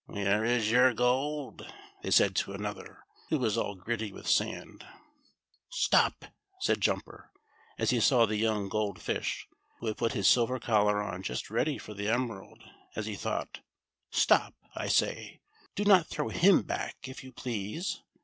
" Where is your gold .''" they said to another, who was all gritty with sand. "Stop," said Jumper, as he saw the young Gold Fish, who had put his silver collar on just ready for the emerald, as he thought — "stop, I say; do not throw Jivn back, if you please.